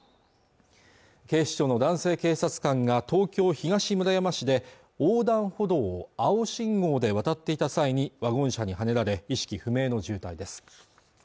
警視庁の男性警察官が東京東村山市で横断歩道を青信号で渡っていた際にワゴン車にはねられ意識不明の重体です